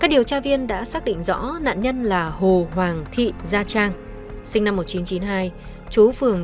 các điều tra viên đã xác định rõ nạn nhân là hồ hoàng thị gia trang sinh năm một nghìn chín trăm chín mươi hai chú phường